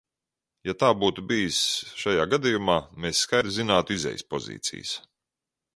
Ja tā būtu bijis šajā gadījumā, mēs skaidri zinātu izejas pozīcijas.